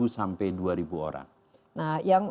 sampai dua ribu orang